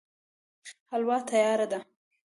حلوا تياره ده